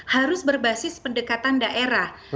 harus berbasis pendekatan daerah